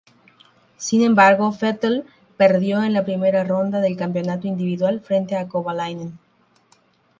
Sin embargo, Vettel perdió en la primera ronda del campeonato individual frente a Kovalainen.